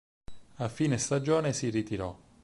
A fine stagione, si ritirò.